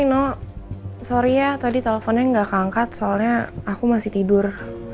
no sorry ya tadi teleponnya gak keangkat soalnya aku masih tidur